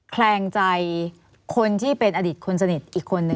แคลงใจคนที่เป็นอดีตคนสนิทอีกคนนึง